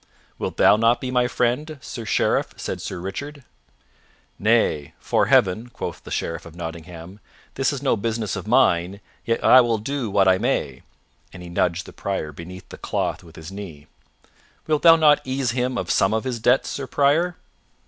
"Wilt thou not be my friend, Sir Sheriff?" said Sir Richard. "Nay, 'fore Heaven," quoth the Sheriff of Nottingham, "this is no business of mine, yet I will do what I may," and he nudged the Prior beneath the cloth with his knee. "Wilt thou not ease him of some of his debts, Sir Prior?"